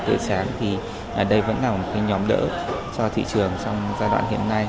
từ sáng thì đây vẫn là một cái nhóm đỡ cho thị trường trong giai đoạn hiện nay